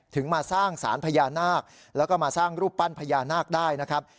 มาสร้างสารพญานาคแล้วก็มาสร้างรูปปั้นพญานาคได้นะครับ